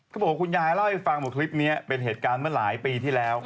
เค้าบอกว่าคุณยายเท่านี้เป็นเหตุการณ์มาหลายปีที่แล้ว